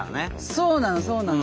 そうなのそうなの。